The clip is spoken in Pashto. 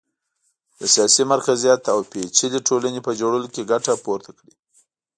د سیاسي مرکزیت او پېچلې ټولنې په جوړولو کې ګټه پورته کړي